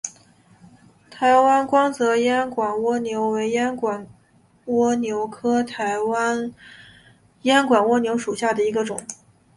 台湾光泽烟管蜗牛为烟管蜗牛科台湾烟管蜗牛属下的一个种。